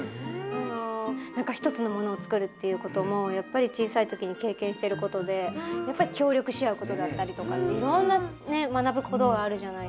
なんかひとつのものをつくるっていうこともやっぱりちいさいときにけいけんしてることできょうりょくしあうことだったりとかいろんなねまなぶことがあるじゃないですか。